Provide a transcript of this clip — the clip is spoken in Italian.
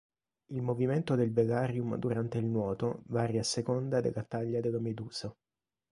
Il movimento del velarium durante il nuoto varia a seconda della taglia della medusa.